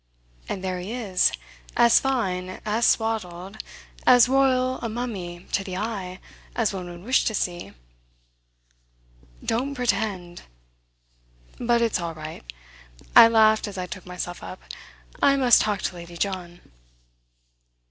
And there he is: as fine, as swaddled, as royal a mummy, to the eye, as one would wish to see. Don't pretend! But it's all right." I laughed as I took myself up. "I must talk to Lady John."